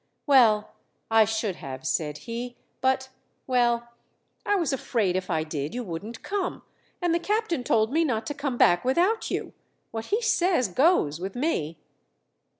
"Well, I should have," said he; "but well, I was afraid if I did you wouldn't come, and the captain told me not to come back without you. What he says goes with me."